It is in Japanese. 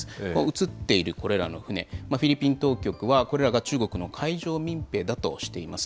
映っているこれらの船、フィリピン当局は、これらが中国の海上民兵だとしています。